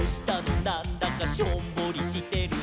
なんだかしょんぼりしてるね」